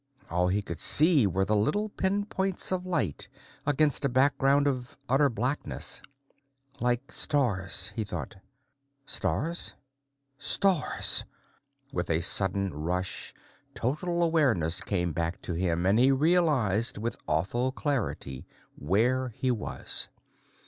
All he could see were the little pinpoints of light against a background of utter blackness. Like stars, he thought. Stars? STARS! With a sudden rush, total awareness came back to him, and he realized with awful clarity where he was.